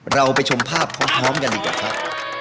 เราไปชมภาพพร้อมกันดีกว่าครับ